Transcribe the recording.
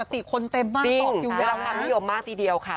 ปกติคนเต็มมากตกอยู่ดังนั้นจริงดังนั้นพี่หน่งมากทีเดียวค่ะ